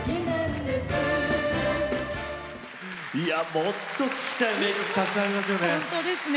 もっと聴きたい名曲たくさんありますよね。